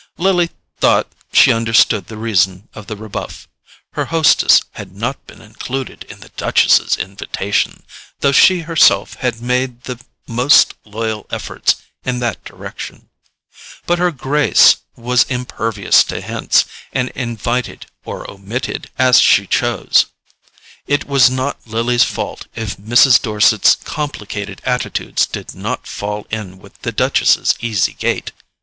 Lily thought she understood the reason of the rebuff. Her hostess had not been included in the Duchess's invitation, though she herself had made the most loyal efforts in that direction. But her grace was impervious to hints, and invited or omitted as she chose. It was not Lily's fault if Mrs. Dorset's complicated attitudes did not fall in with the Duchess's easy gait.